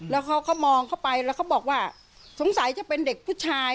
แล้วเขาก็มองเข้าไปแล้วเขาบอกว่าสงสัยจะเป็นเด็กผู้ชาย